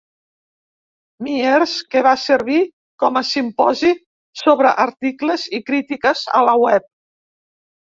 Myers, que va servir com a simposi sobre articles i crítiques a la web.